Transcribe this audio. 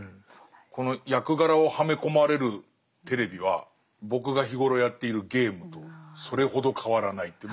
この役柄をはめ込まれるテレビは僕が日頃やっているゲームとそれほど変わらないっていう。